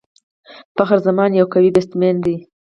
فخر زمان یو قوي بيټسمېن دئ.